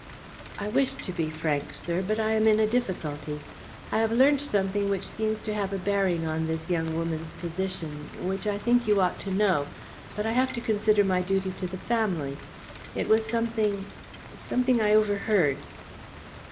"I wish to be frank, sir, but I am in a difficulty. I have learnt something which seems to have a bearing on this young woman's position, which I think you ought to know, but I have to consider my duty to the family. It was something something I overheard."